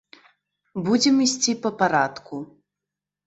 Будзем ісці па парадку.